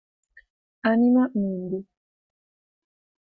Anima mundi